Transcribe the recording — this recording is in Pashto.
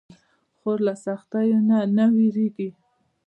خور له سختیو نه نه وېریږي.